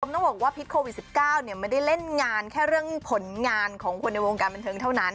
ต้องบอกว่าพิษโควิด๑๙ไม่ได้เล่นงานแค่เรื่องผลงานของคนในวงการบันเทิงเท่านั้น